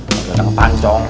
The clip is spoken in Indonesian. padahal udah ngepanjong